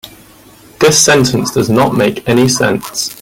This sentence does not make any sense.